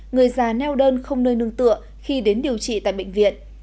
người già neo đơn không nơi nương tựa khi đến điều trị tại bệnh viện